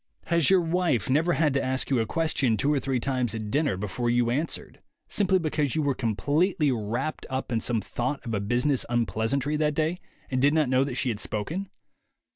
Has your wife never had to ask you a question two or three times at dinner before you answered, simply because you were completely wrapped up in some thought of a business unpleasantry that day, and did not know that she had spoken?